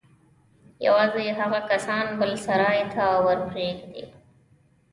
يوازې هغه کسان بل سراى ته ورپرېږدي.